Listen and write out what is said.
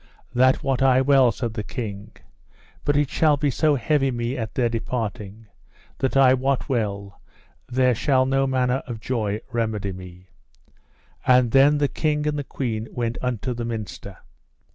That wot I well, said the king, but it shall so heavy me at their departing that I wot well there shall no manner of joy remedy me. And then the king and the queen went unto the minster.